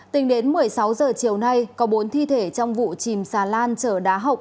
tính đến một mươi sáu h chiều nay có bốn thi thể trong vụ chìm xà lan chở đá hộng